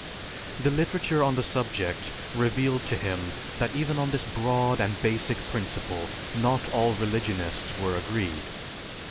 The literature on the subject revealed to him that even on this broad and basic principle not all religionists were agreed.